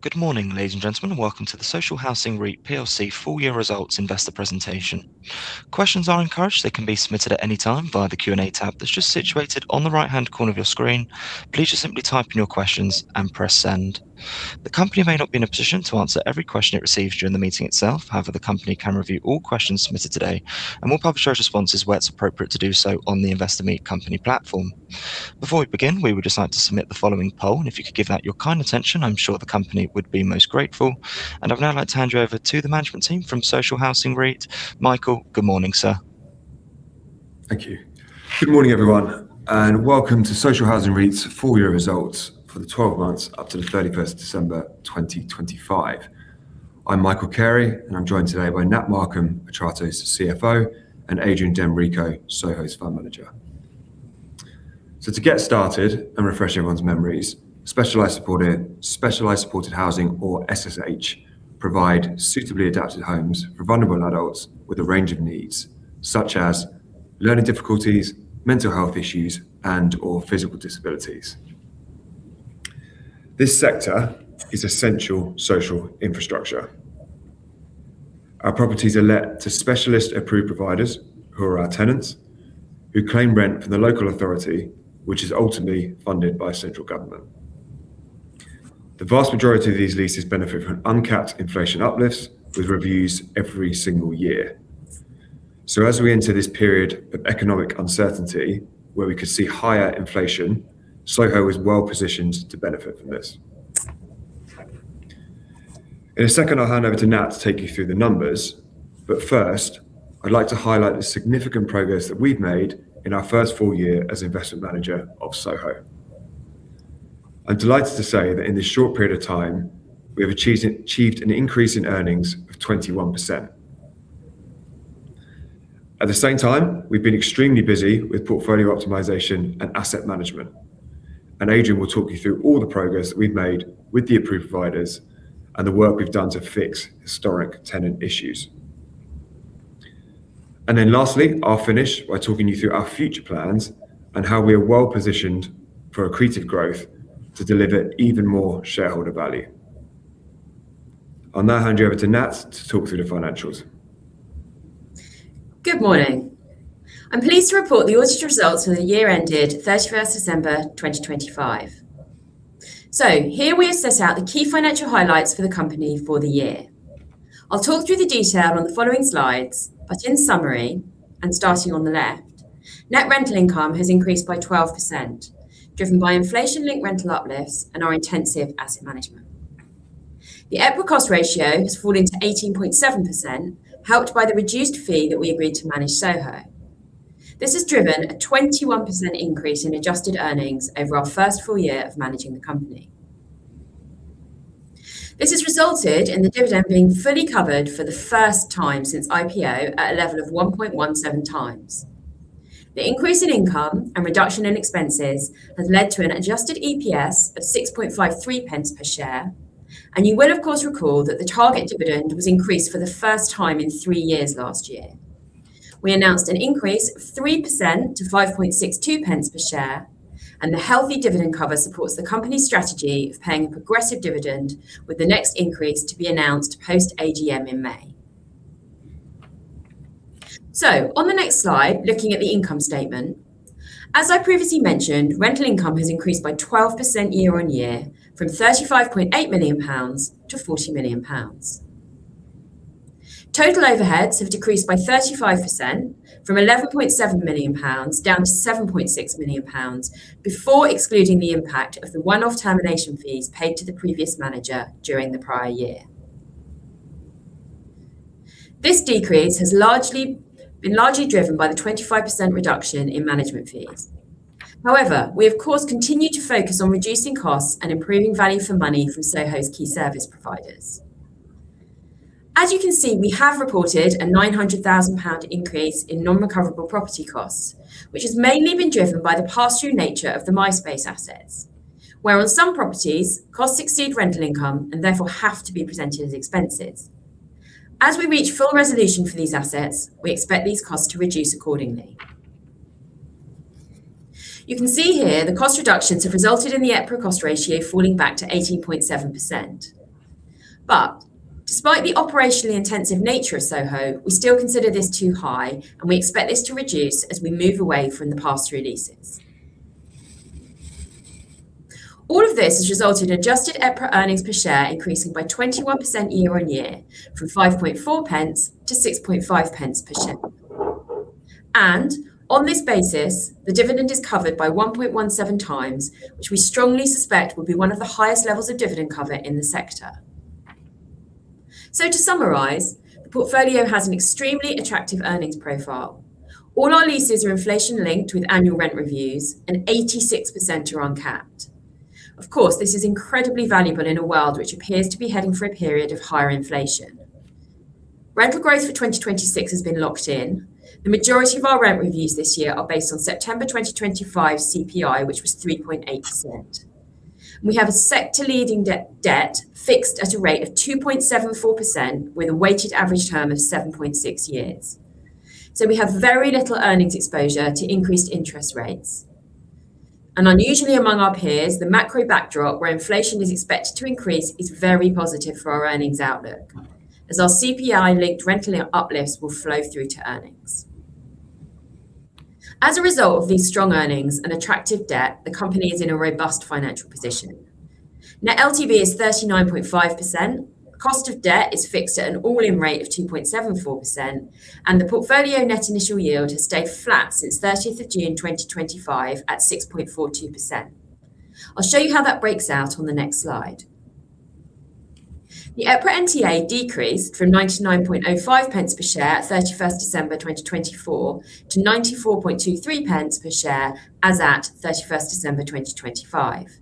Good morning, ladies and gentlemen. Welcome to the Social Housing REIT Plc full year results investor presentation. Questions are encouraged. They can be submitted at any time via the Q&A tab that's just situated on the right-hand corner of your screen. Please just simply type in your questions and press Send. The company may not be in a position to answer every question it receives during the meeting itself. However, the company can review all questions submitted today and will publish those responses where it's appropriate to do so on the Investor Meet Company platform. Before we begin, we would just like to submit the following poll, and if you could give that your kind attention, I'm sure the company would be most grateful. I'd now like to hand you over to the management team from Social Housing REIT. Michael, good morning, sir. Thank you. Good morning, everyone, and welcome to Social Housing REIT's full year results for the 12 months up to December 31 2025. I'm Michael Carey, and I'm joined today by Nat Markham, Atrato's CFO, and Adrian D'Enrico, SOHO's fund manager. To get started and refresh everyone's memories, Specialized Supported Housing, or SSH, provide suitably adapted homes for vulnerable adults with a range of needs, such as learning difficulties, mental health issues, and/or physical disabilities. This sector is essential social infrastructure. Our properties are let to specialist approved providers who are our tenants, who claim rent from the local authority, which is ultimately funded by central government. The vast majority of these leases benefit from uncapped inflation uplifts with reviews every single year. As we enter this period of economic uncertainty where we could see higher inflation, SOHO is well-positioned to benefit from this. In a second, I'll hand over to Nat to take you through the numbers. First, I'd like to highlight the significant progress that we've made in our first full year as investment manager of SOHO. I'm delighted to say that in this short period of time, we have achieved an increase in earnings of 21%. At the same time, we've been extremely busy with portfolio optimization and asset management, and Adrian will talk you through all the progress we've made with the approved providers and the work we've done to fix historic tenant issues. Then lastly, I'll finish by talking you through our future plans and how we are well positioned for accretive growth to deliver even more shareholder value. I'll now hand you over to Nat to talk through the financials. Good morning. I'm pleased to report the audited results for the year ended December 31 2025. Here we have set out the key financial highlights for the company for the year. I'll talk through the detail on the following slides, but in summary, and starting on the left, net rental income has increased by 12%, driven by inflation-linked rental uplifts and our intensive asset management. The EPRA cost ratio has fallen to 18.7%, helped by the reduced fee that we agreed to manage SOHO. This has driven a 21% increase in adjusted earnings over our first full year of managing the company. This has resulted in the dividend being fully covered for the first time since IPO at a level of 1.17x. The increase in income and reduction in expenses has led to an adjusted EPS of 0.653 per share. You will of course recall that the target dividend was increased for the first time in three years last year. We announced an increase of 3% to 0.562 per share, and the healthy dividend cover supports the company's strategy of paying a progressive dividend with the next increase to be announced post AGM in May. On the next slide, looking at the income statement. As I previously mentioned, rental income has increased by 12% year-on-year from 35.8 million pounds to 40 million pounds. Total overheads have decreased by 35% from 11.7 million pounds down to 7.6 million pounds before excluding the impact of the one-off termination fees paid to the previous manager during the prior year. This decrease has largely been driven by the 25% reduction in management fees. However, we of course continue to focus on reducing costs and improving value for money from SOHO's key service providers. As you can see, we have reported a 900,000 pound increase in non-recoverable property costs, which has mainly been driven by the pass-through nature of the MySpace assets, where on some properties, costs exceed rental income and therefore have to be presented as expenses. As we reach full resolution for these assets, we expect these costs to reduce accordingly. You can see here the cost reductions have resulted in the EPRA cost ratio falling back to 18.7%. Despite the operationally intensive nature of SOHO, we still consider this too high, and we expect this to reduce as we move away from the pass-through leases. All of this has resulted in adjusted EPRA earnings per share increasing by 21% year-over-year from GBP 0.054 to GBP 0.065 per share. On this basis, the dividend is covered by 1.17x, which we strongly suspect will be one of the highest levels of dividend cover in the sector. To summarize, the portfolio has an extremely attractive earnings profile. All our leases are inflation-linked with annual rent reviews, and 86% are uncapped. Of course, this is incredibly valuable in a world which appears to be heading for a period of higher inflation. Rental growth for 2026 has been locked in. The majority of our rent reviews this year are based on September 2025 CPI, which was 3.8%. We have a sector-leading debt fixed at a rate of 2.74% with a weighted average term of 7.6 years. We have very little earnings exposure to increased interest rates. Unusually among our peers, the macro backdrop where inflation is expected to increase is very positive for our earnings outlook, as our CPI-linked rental uplifts will flow through to earnings. As a result of these strong earnings and attractive debt, the company is in a robust financial position. Net LTV is 39.5%. Cost of debt is fixed at an all-in rate of 2.74%, and the portfolio net initial yield has stayed flat since June 30 2025 at 6.42%. I'll show you how that breaks out on the next slide. The EPRA NTA decreased from 0.995 per share at December 31 2024 to 0.9423 per share as at December 31 2025.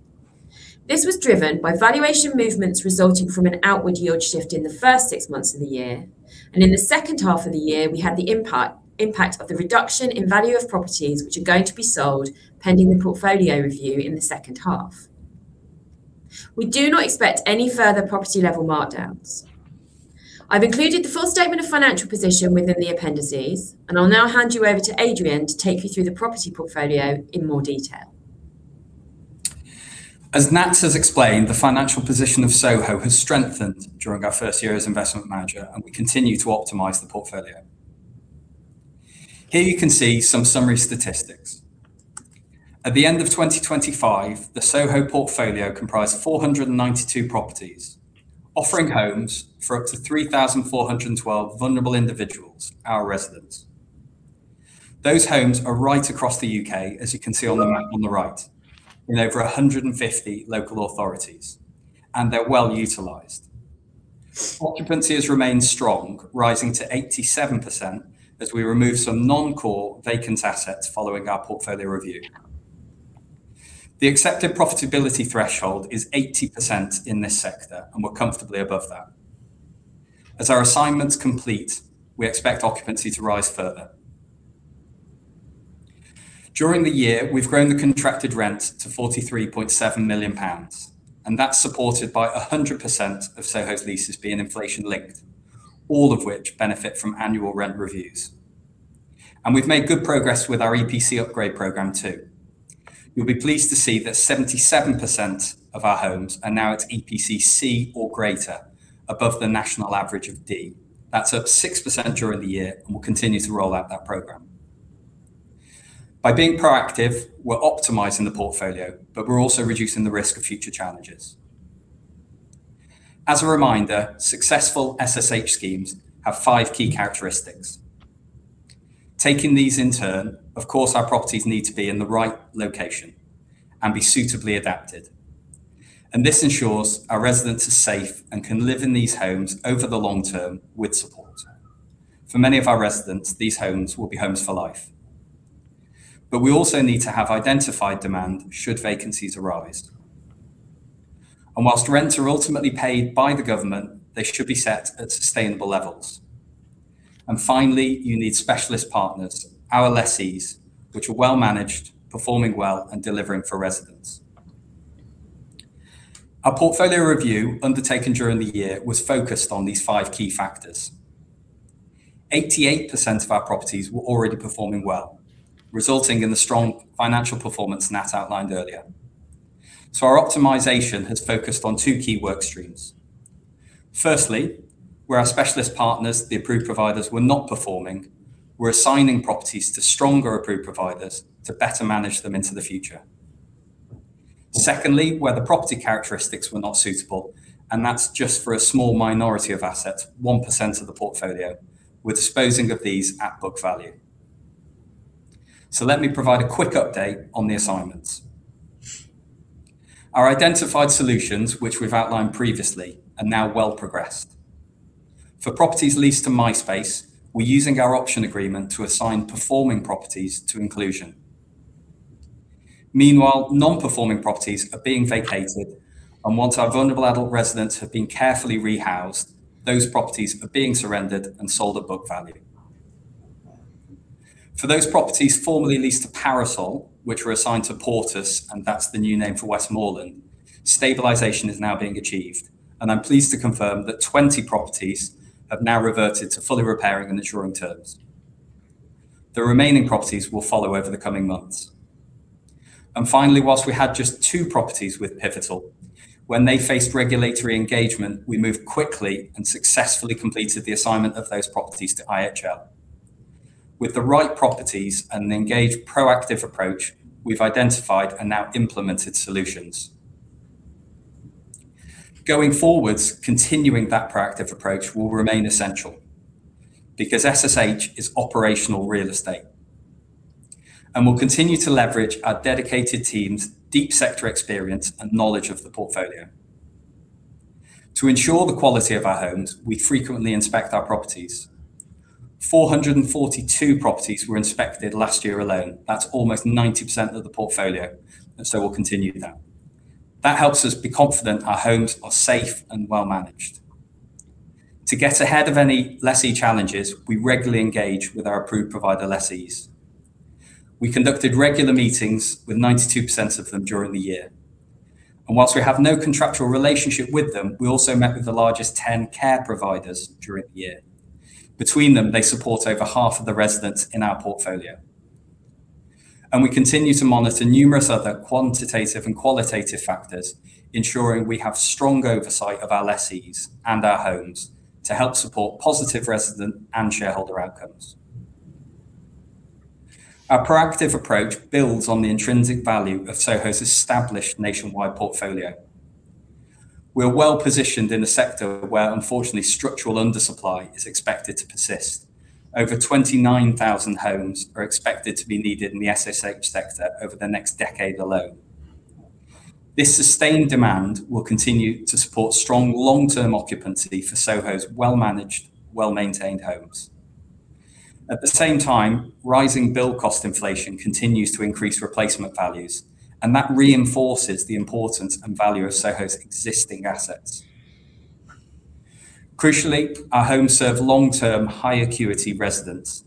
This was driven by valuation movements resulting from an outward yield shift in the first six months of the year. In the second half of the year, we had the impact of the reduction in value of properties which are going to be sold pending the portfolio review in the second half. We do not expect any further property-level markdowns. I've included the full statement of financial position within the appendices, and I'll now hand you over to Adrian to take you through the property portfolio in more detail. As Nat has explained, the financial position of SOHO has strengthened during our first year as investment manager, and we continue to optimize the portfolio. Here you can see some summary statistics. At the end of 2025, the SOHO portfolio comprised 492 properties, offering homes for up to 3,412 vulnerable individuals, our residents. Those homes are right across the U.K., as you can see on the map on the right, in over 150 local authorities, and they're well-utilized. Occupancy has remained strong, rising to 87% as we remove some non-core vacant assets following our portfolio review. The accepted profitability threshold is 80% in this sector, and we're comfortably above that. As our assignments complete, we expect occupancy to rise further. During the year, we've grown the contracted rent to 43.7 million pounds, and that's supported by 100% of SOHO's leases being inflation-linked, all of which benefit from annual rent reviews. We've made good progress with our EPC upgrade program too. You'll be pleased to see that 77% of our homes are now at EPC C or greater, above the national average of D. That's up 6% during the year, and we'll continue to roll out that program. By being proactive, we're optimizing the portfolio, but we're also reducing the risk of future challenges. As a reminder, successful SSH schemes have five key characteristics. Taking these in turn, of course, our properties need to be in the right location and be suitably adapted. This ensures our residents are safe and can live in these homes over the long term with support. For many of our residents, these homes will be homes for life. We also need to have identified demand should vacancies arise. While rents are ultimately paid by the government, they should be set at sustainable levels. Finally, you need specialist partners, our lessees, which are well-managed, performing well, and delivering for residents. Our portfolio review undertaken during the year was focused on these five key factors. 88% of our properties were already performing well, resulting in the strong financial performance Nat outlined earlier. Our optimization has focused on two key work streams. Firstly, where our specialist partners, the approved providers, were not performing, we're assigning properties to stronger approved providers to better manage them into the future. Secondly, where the property characteristics were not suitable, and that's just for a small minority of assets, 1% of the portfolio, we're disposing of these at book value. Let me provide a quick update on the assignments. Our identified solutions, which we've outlined previously, are now well progressed. For properties leased to MySpace, we're using our option agreement to assign performing properties to Inclusion. Meanwhile, non-performing properties are being vacated, and once our vulnerable adult residents have been carefully rehoused, those properties are being surrendered and sold at book value. For those properties formerly leased to Parasol, which were assigned to Portus, and that's the new name for Westmoreland, stabilization is now being achieved, and I'm pleased to confirm that 20 properties have now reverted to fully repairing and insuring terms. The remaining properties will follow over the coming months. Finally, while we had just two properties with Pivotal, when they faced regulatory engagement, we moved quickly and successfully completed the assignment of those properties to IHL. With the right properties and an engaged, proactive approach, we've identified and now implemented solutions. Going forward, continuing that proactive approach will remain essential because SSH is operational real estate. We'll continue to leverage our dedicated team's deep sector experience and knowledge of the portfolio. To ensure the quality of our homes, we frequently inspect our properties. 442 properties were inspected last year alone. That's almost 90% of the portfolio, and so we'll continue that. That helps us be confident our homes are safe and well managed. To get ahead of any lessee challenges, we regularly engage with our approved provider lessees. We conducted regular meetings with 92% of them during the year. While we have no contractual relationship with them, we also met with the largest 10 care providers during the year. Between them, they support over half of the residents in our portfolio. We continue to monitor numerous other quantitative and qualitative factors, ensuring we have strong oversight of our lessees and our homes to help support positive resident and shareholder outcomes. Our proactive approach builds on the intrinsic value of SOHO's established nationwide portfolio. We are well-positioned in a sector where, unfortunately, structural undersupply is expected to persist. Over 29,000 homes are expected to be needed in the SSH sector over the next decade alone. This sustained demand will continue to support strong long-term occupancy for SOHO's well-managed, well-maintained homes. At the same time, rising build cost inflation continues to increase replacement values, and that reinforces the importance and value of SOHO's existing assets. Crucially, our homes serve long-term, high acuity residents,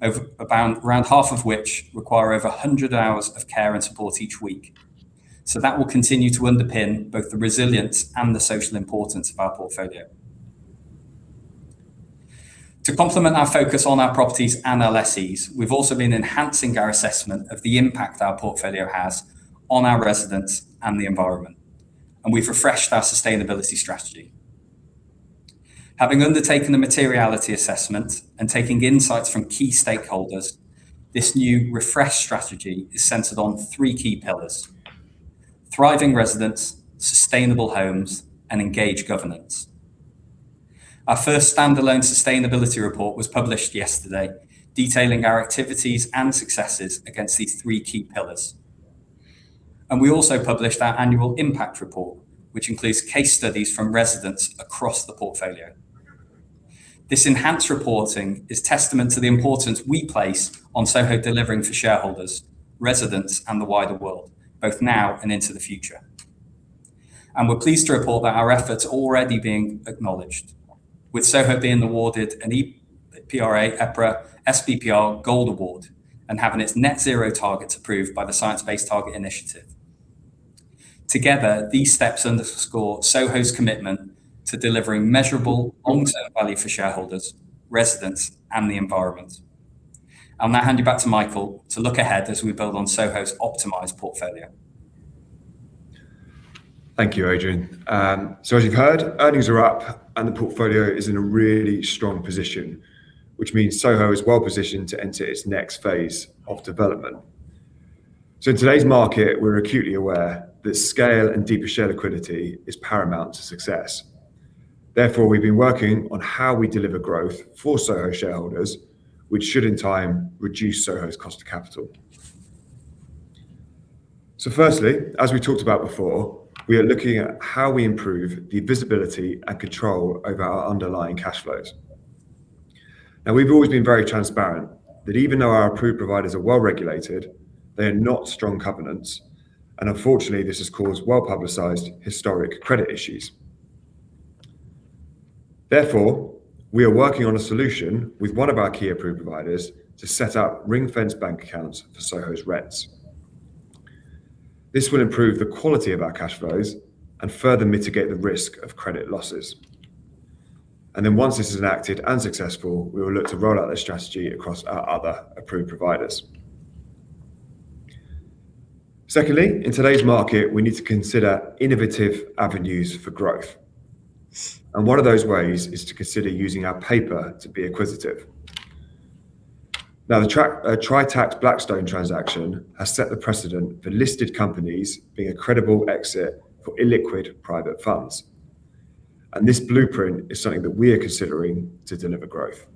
about half of which require over 100 hours of care and support each week. That will continue to underpin both the resilience and the social importance of our portfolio. To complement our focus on our properties and our lessees, we've also been enhancing our assessment of the impact our portfolio has on our residents and the environment, and we've refreshed our sustainability strategy. Having undertaken the materiality assessment and taking insights from key stakeholders, this new refreshed strategy is centered on three key pillars, thriving residents, sustainable homes, and engaged governance. Our first standalone sustainability report was published yesterday, detailing our activities and successes against these three key pillars. We also published our annual impact report, which includes case studies from residents across the portfolio. This enhanced reporting is testament to the importance we place on SOHO delivering for shareholders, residents, and the wider world, both now and into the future. We're pleased to report that our efforts are already being acknowledged, with SOHO being awarded an EPRA sBPR Gold Award and having its net-zero targets approved by the Science Based Targets initiative. Together, these steps underscore SOHO's commitment to delivering measurable, long-term value for shareholders, residents, and the environment. I'll now hand you back to Michael to look ahead as we build on SOHO's optimized portfolio. Thank you, Adrian. As you've heard, earnings are up, and the portfolio is in a really strong position, which means SOHO is well-positioned to enter its next phase of development. In today's market, we're acutely aware that scale and deeper share liquidity is paramount to success. Therefore, we've been working on how we deliver growth for SOHO shareholders, which should, in time, reduce SOHO's cost of capital. Firstly, as we talked about before, we are looking at how we improve the visibility and control over our underlying cash flows. Now, we've always been very transparent that even though our approved providers are well-regulated, they are not strong covenants, and unfortunately, this has caused well-publicized historic credit issues. Therefore, we are working on a solution with one of our key approved providers to set up ring-fenced bank accounts for SOHO's rents. This will improve the quality of our cash flows and further mitigate the risk of credit losses. Then once this is enacted and successful, we will look to roll out this strategy across our other approved providers. Secondly, in today's market, we need to consider innovative avenues for growth, and one of those ways is to consider using our paper to be acquisitive. Now, the Tritax Blackstone transaction has set the precedent for listed companies being a credible exit for illiquid private funds, and this blueprint is something that we are considering to deliver growth.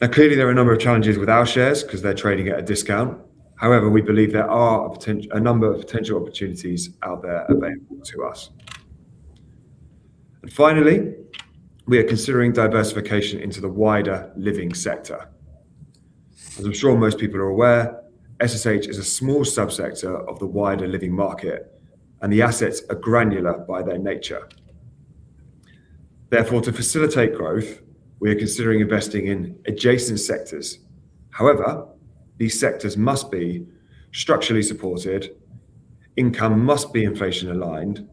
Now, clearly, there are a number of challenges with our shares because they're trading at a discount. However, we believe there are a number of potential opportunities out there available to us. Finally, we are considering diversification into the wider living sector. As I'm sure most people are aware, SSH is a small subsector of the wider living market, and the assets are granular by their nature. Therefore, to facilitate growth, we are considering investing in adjacent sectors. However, these sectors must be structurally supported, income must be inflation aligned,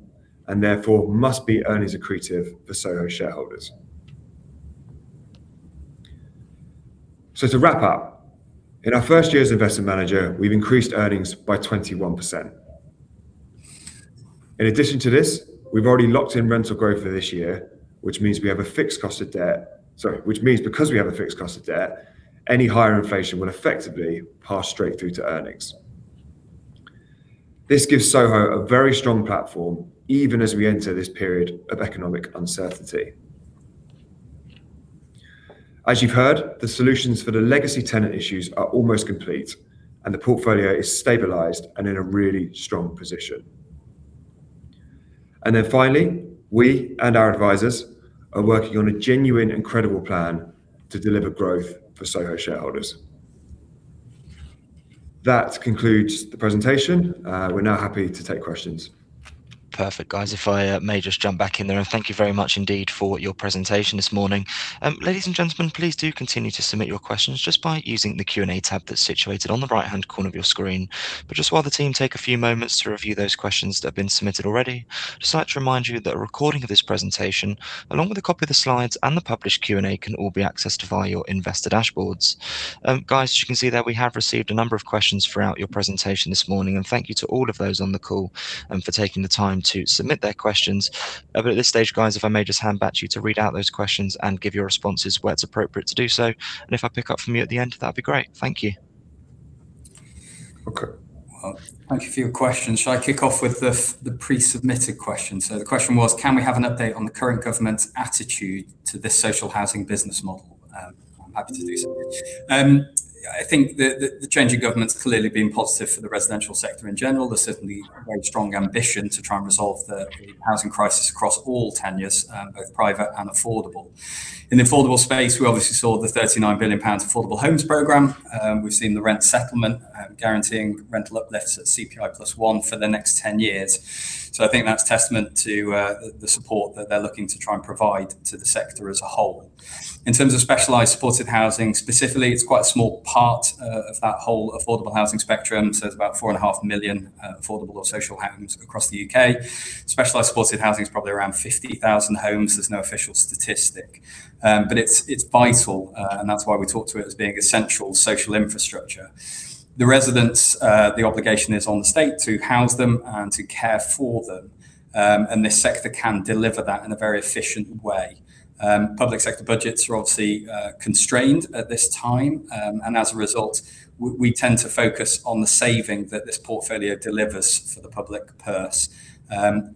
and therefore must be earnings accretive for SOHO shareholders. To wrap up, in our first year as investment manager, we've increased earnings by 21%. In addition to this, we've already locked in rental growth for this year, which means because we have a fixed cost of debt, any higher inflation will effectively pass straight through to earnings. This gives SOHO a very strong platform, even as we enter this period of economic uncertainty. As you've heard, the solutions for the legacy tenant issues are almost complete, and the portfolio is stabilized and in a really strong position. Finally, we and our advisors are working on a genuine and credible plan to deliver growth for SOHO shareholders. That concludes the presentation. We're now happy to take questions. Perfect. Guys, if I may just jump back in there and thank you very much indeed for your presentation this morning. Ladies and gentlemen, please do continue to submit your questions just by using the Q&A tab that's situated on the right-hand corner of your screen. While the team take a few moments to review those questions that have been submitted already, I just like to remind you that a recording of this presentation, along with a copy of the slides and the published Q&A, can all be accessed via your investor dashboards. Guys, as you can see there, we have received a number of questions throughout your presentation this morning, and thank you to all of those on the call for taking the time to submit their questions. at this stage, guys, if I may just hand back to you to read out those questions and give your responses where it's appropriate to do so, and if I pick up from you at the end, that'd be great. Thank you. Okay. Well, thank you for your question. Should I kick off with the pre-submitted question? The question was, can we have an update on the current government's attitude to this social housing business model? I'm happy to do so. I think the change in government has clearly been positive for the residential sector in general. There's certainly a very strong ambition to try and resolve the housing crisis across all tenures, both private and affordable. In the affordable space, we obviously saw the 39 billion pounds Affordable Homes Programme. We've seen the rent settlement, guaranteeing rental uplifts at CPI + 1% for the next 10 years. I think that's testament to the support that they're looking to try and provide to the sector as a whole. In terms of Specialized Supported Housing, specifically, it's quite a small part of that whole affordable housing spectrum. There's about 4.5 million affordable or social homes across the U.K. Specialized Supported Housing is probably around 50,000 homes. There's no official statistic. But it's vital, and that's why we talk to it as being essential social infrastructure. The residents, the obligation is on the state to house them and to care for them. And this sector can deliver that in a very efficient way. Public sector budgets are obviously constrained at this time, and as a result, we tend to focus on the saving that this portfolio delivers for the public purse.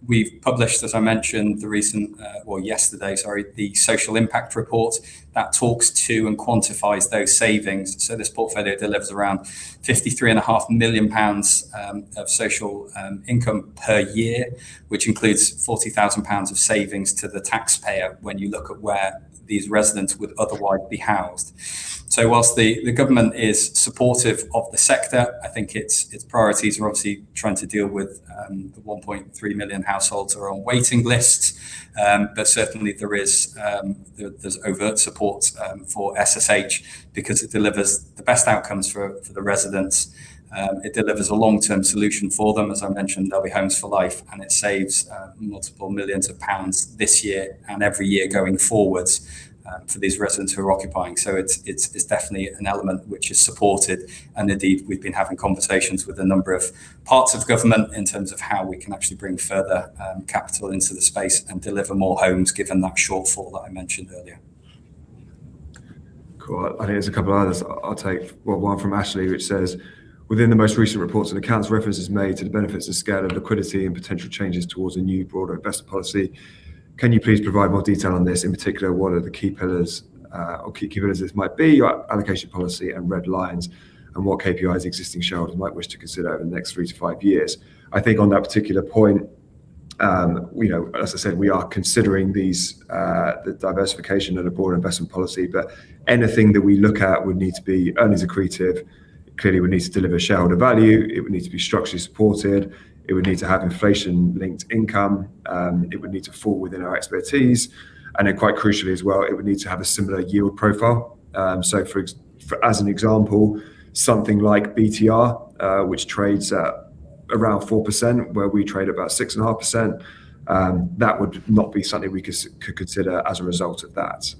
We've published, as I mentioned, the recent, or yesterday, sorry, the social impact report that talks to and quantifies those savings. This portfolio delivers around 53.5 million pounds of social income per year, which includes 40,000 pounds of savings to the taxpayer when you look at where these residents would otherwise be housed. While the government is supportive of the sector, I think its priorities are obviously trying to deal with the 1.3 million households that are on waiting lists. But certainly there's overt support for SSH because it delivers the best outcomes for the residents. It delivers a long-term solution for them. As I mentioned, they'll be homes for life, and it saves multiple millions of GBP this year and every year going forwards for these residents who are occupying. It's definitely an element which is supported. Indeed, we've been having conversations with a number of parts of government in terms of how we can actually bring further capital into the space and deliver more homes, given that shortfall that I mentioned earlier. Cool. I think there's a couple others I'll take. Well, one from Ashley which says, "Within the most recent reports and accounts, reference is made to the benefits of scale and liquidity and potential changes towards a new broader investor policy. Can you please provide more detail on this? In particular, what are the key pillars or this might be, your allocation policy and red lines, and what KPIs existing shareholders might wish to consider over the next three to five years?" I think on that particular point, you know, as I said, we are considering these, the diversification and a broader investment policy, but anything that we look at would need to be earnings accretive. Clearly, it would need to deliver shareholder value. It would need to be structurally supported. It would need to have inflation-linked income. It would need to fall within our expertise. Quite crucially as well, it would need to have a similar yield profile. As an example, something like BTR, which trades at around 4%, where we trade about 6.5%, that would not be something we could consider as a result of that.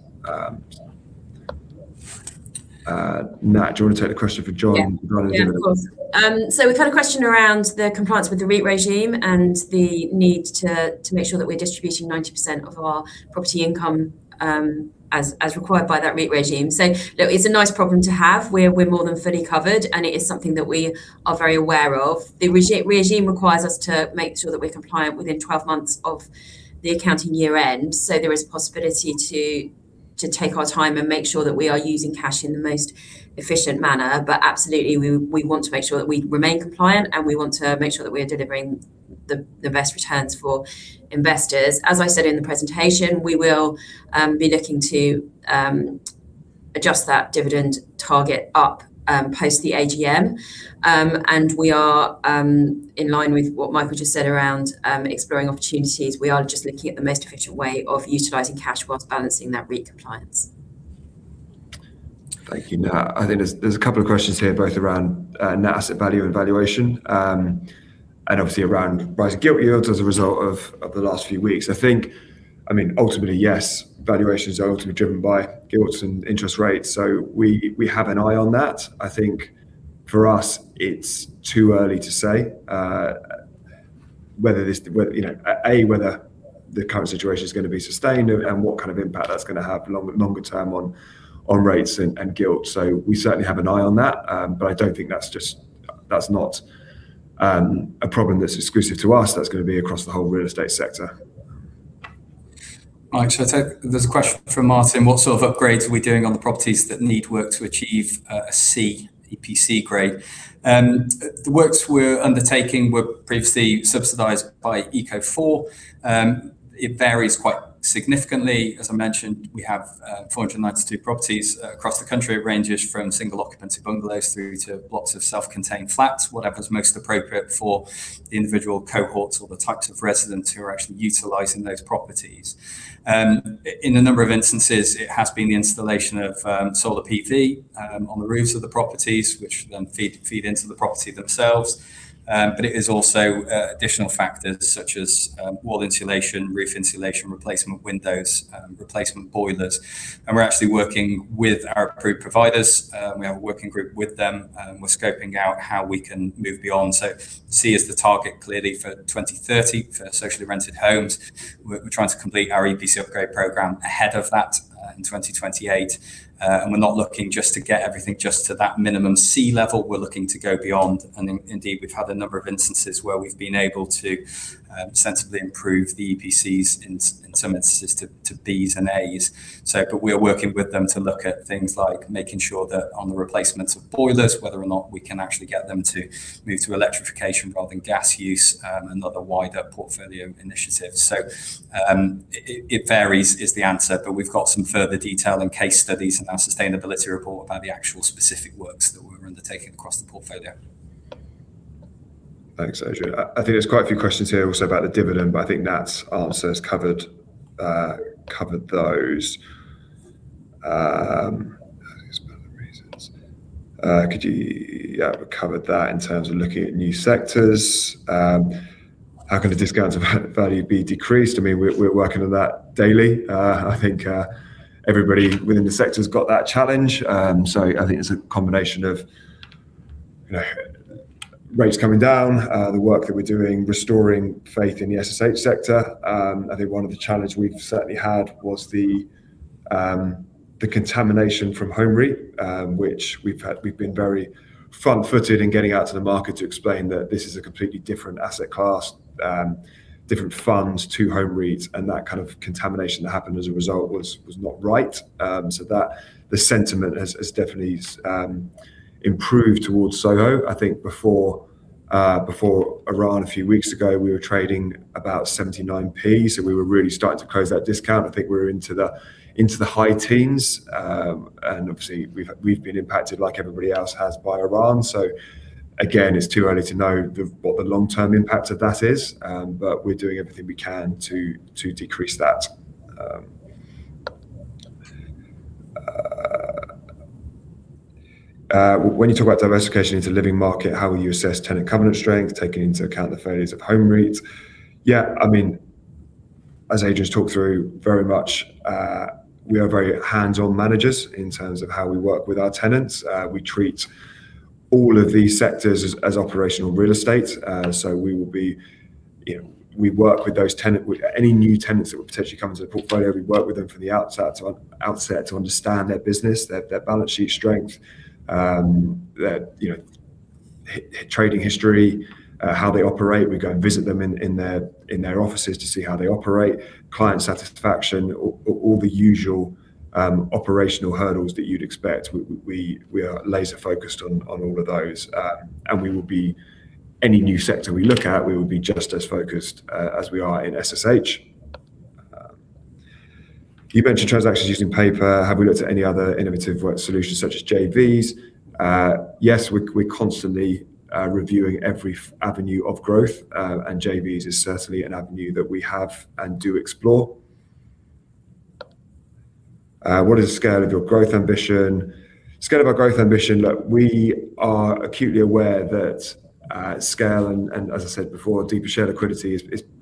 Nat, do you want to take the question for John- Yeah. Rather than me? Yeah, of course. We've had a question around the compliance with the REIT regime and the need to make sure that we're distributing 90% of our property income, as required by that REIT regime. Look, it's a nice problem to have. We're more than fully covered, and it is something that we are very aware of. The regime requires us to make sure that we're compliant within 12 months of the accounting year end. There is possibility to take our time and make sure that we are using cash in the most efficient manner. Absolutely, we want to make sure that we remain compliant, and we want to make sure that we are delivering the best returns for investors. As I said in the presentation, we will be looking to adjust that dividend target up post the AGM. We are in line with what Michael just said around exploring opportunities. We are just looking at the most efficient way of utilizing cash while balancing that REIT compliance. Thank you, Nat. I think there's a couple of questions here both around net asset value and valuation, and obviously around rising gilt yields as a result of the last few weeks. I think, I mean, ultimately, yes, valuations are ultimately driven by gilts and interest rates. We have an eye on that. I think for us it's too early to say whether this, whether, you know, A, whether the current situation is gonna be sustained and what kind of impact that's gonna have longer term on rates and gilts. We certainly have an eye on that. But I don't think that's just, that's not a problem that's exclusive to us. That's gonna be across the whole real estate sector. Mike, there's a question from Martin: What sort of upgrades are we doing on the properties that need work to achieve a C EPC grade? The works we're undertaking were previously subsidized by ECO4. It varies quite significantly. As I mentioned, we have 492 properties across the country. It ranges from single occupancy bungalows through to blocks of self-contained flats, whatever is most appropriate for the individual cohorts or the types of residents who are actually utilizing those properties. In a number of instances, it has been the installation of solar PV on the roofs of the properties, which then feed into the property themselves. But it is also additional factors such as wall insulation, roof insulation, replacement windows, replacement boilers. We're actually working with our approved providers. We have a working group with them, and we're scoping out how we can move beyond. C is the target clearly for 2030 for socially rented homes. We're trying to complete our EPC upgrade program ahead of that, in 2028. We're not looking just to get everything just to that minimum C level. We're looking to go beyond. Indeed, we've had a number of instances where we've been able to sensibly improve the EPCs in some instances to B's and A's. But we are working with them to look at things like making sure that on the replacements of boilers, whether or not we can actually get them to move to electrification rather than gas use, and other wider portfolio initiatives. It varies is the answer. We've got some further detail in case studies in our sustainability report about the actual specific works that we're undertaking across the portfolio. Thanks, Adrian. I think there's quite a few questions here also about the dividend, but I think Nat's answer has covered those. Yeah, we covered that in terms of looking at new sectors. How can the discount of value be decreased? I mean, we're working on that daily. I think everybody within the sector's got that challenge. I think it's a combination of, you know, rates coming down, the work that we're doing restoring faith in the SSH sector. I think one of the challenge we've certainly had was the contamination from Home REIT, which we've been very front-footed in getting out to the market to explain that this is a completely different asset class, different funds to Home REIT's, and that kind of contamination that happened as a result was not right. The sentiment has definitely improved towards SOHO. I think before Iran a few weeks ago, we were trading about 0.79, we were really starting to close that discount. I think we're into the high teens%. Obviously we've been impacted like everybody else has by Iran. It's too early to know what the long-term impact of that is. We're doing everything we can to decrease that. When you talk about diversification into living market, how will you assess tenant covenant strength, taking into account the failures of Home REIT's? Yeah, I mean, as Adrian's talked through, very much, we are very hands-on managers in terms of how we work with our tenants. We treat all of these sectors as operational real estate. You know, we work with those tenants. Any new tenants that would potentially come into the portfolio, we work with them from the outset to understand their business, their balance sheet strength, their trading history, how they operate. We go and visit them in their offices to see how they operate. Client satisfaction, all the usual operational hurdles that you'd expect. We are laser focused on all of those. Any new sector we look at, we will be just as focused as we are in SSH. You mentioned transactions using paper. Have we looked at any other innovative solutions such as JVs? Yes. We're constantly reviewing every avenue of growth, and JVs is certainly an avenue that we have and do explore. What is the scale of your growth ambition? Scale of our growth ambition. Look, we are acutely aware that scale and, as I said before, deeper share liquidity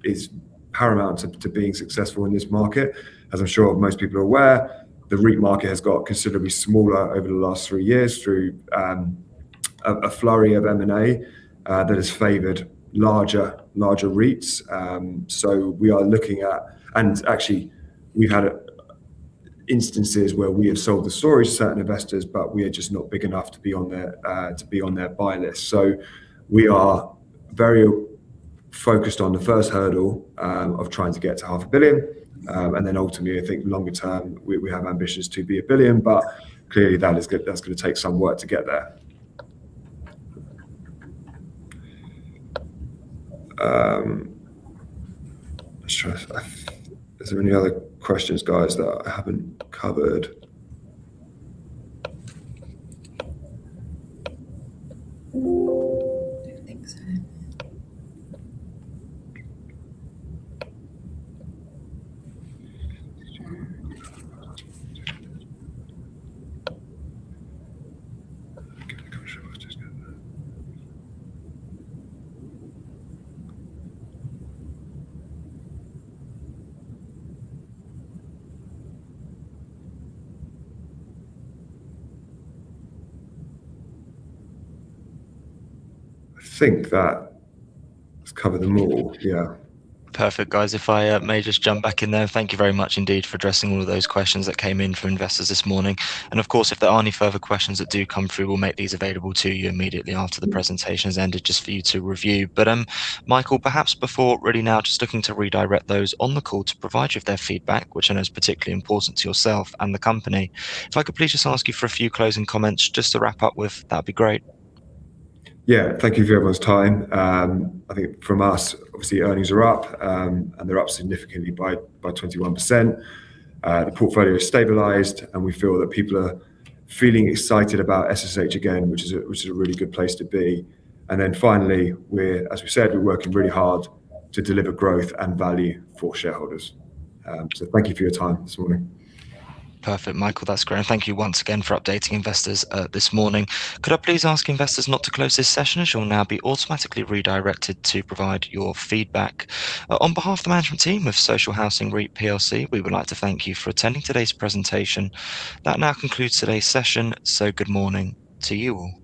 is paramount to being successful in this market. As I'm sure most people are aware, the REIT market has got considerably smaller over the last three years through a flurry of M&A that has favored larger REITs. Actually we've had instances where we have sold the story to certain investors, but we are just not big enough to be on their buy list. We are very focused on the first hurdle of trying to get to GBP half a billion, and then ultimately, I think longer term, we have ambitions to be 1 billion, but clearly that's gonna take some work to get there. Is there any other questions, guys, that I haven't covered? I don't think so. I think that has covered them all. Yeah. Perfect. Guys, if I may just jump back in there. Thank you very much indeed for addressing all of those questions that came in from investors this morning. Of course, if there are any further questions that do come through, we'll make these available to you immediately after the presentation has ended just for you to review. Michael, perhaps before really now just looking to redirect those on the call to provide you with their feedback, which I know is particularly important to yourself and the company. If I could please just ask you for a few closing comments just to wrap up with, that'd be great. Yeah. Thank you for everyone's time. I think from us, obviously earnings are up, and they're up significantly by 21%. The portfolio is stabilized, and we feel that people are feeling excited about SSH again, which is a really good place to be. Then finally, as we said, we're working really hard to deliver growth and value for shareholders. Thank you for your time this morning. Perfect, Michael. That's great. Thank you once again for updating investors this morning. Could I please ask investors not to close this session, as you'll now be automatically redirected to provide your feedback. On behalf of the management team of Social Housing REIT Plc, we would like to thank you for attending today's presentation. That now concludes today's session. Good morning to you all.